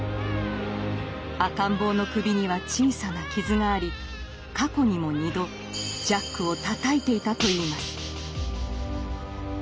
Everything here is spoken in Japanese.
赤ん坊の首には小さな傷があり過去にも二度ジャックをたたいていたといいます。